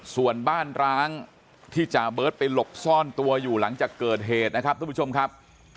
ส่วนบ้านร้างที่จ่าเบิร์ตไปหลบซ่อนตัวอยู่หลังจากเกิดเหตุนะครับทุกผู้ชมครับ